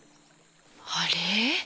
あれ？